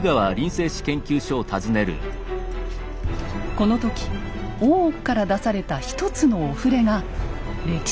この時大奥から出された一つのお触れが歴史を動かします。